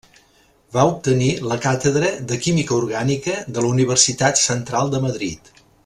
Va obtenir la càtedra de química orgànica de la Universitat Central de Madrid.